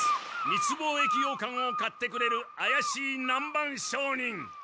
密貿易ヨーカンを買ってくれる怪しい南蛮商人